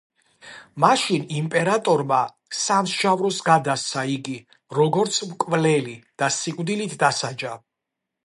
მაშინ იმპერატორმა სამსჯავროს გადასცა იგი, როგორც მკვლელი და სიკვდილით დასაჯა.